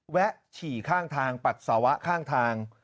ฉี่ข้างทางปัสสาวะข้างทาง